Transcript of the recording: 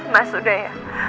mas udah ya